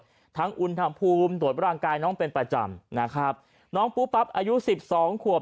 ทั้งอุณหภูมิตรวจร่างกายน้องเป็นประจำนะครับน้องปูปั๊บอายุสิบสองขวบ